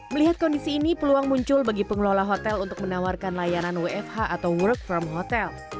melihat kondisi ini peluang muncul bagi pengelola hotel untuk menawarkan layanan wfh atau work from hotel